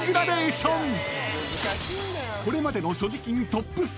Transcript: ［これまでの所持金ＴＯＰ３］